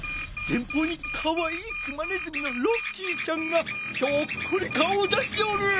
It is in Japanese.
前方にかわいいクマネズミのロッキーちゃんがひょっこり顔を出しておる！